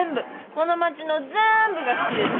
この町の全部が好きです。